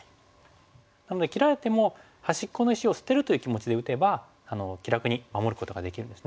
なので切られても端っこの石を捨てるという気持ちで打てば気楽に守ることができるんですね。